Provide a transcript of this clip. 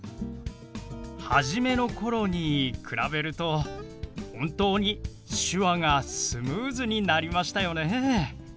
初めの頃に比べると本当に手話がスムーズになりましたよね。